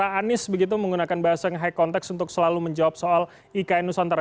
nah yang pertama itu cara anis begitu menggunakan bahasa yang high context untuk selalu menjawab soal ikn nusantara